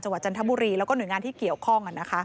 จันทบุรีแล้วก็หน่วยงานที่เกี่ยวข้อง